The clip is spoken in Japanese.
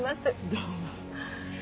どうも。